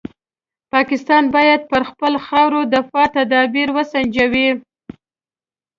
پاکستان باید پر خپله خاوره دفاعي تدابیر وسنجوي.